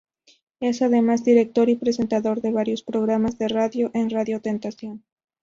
Es además director y presentador de varios programas de radio en Radio Tentación.